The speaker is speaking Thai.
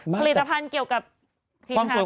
ผลิตภัณฑ์เกี่ยวกับภิกษาผิว